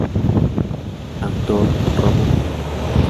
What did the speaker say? Autor: Román Perroni.